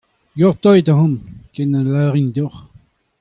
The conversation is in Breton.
Gortozit amañ ken na lavarin deoc'h.